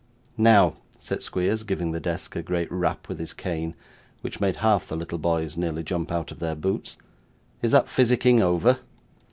'Now,' said Squeers, giving the desk a great rap with his cane, which made half the little boys nearly jump out of their boots, 'is that physicking over?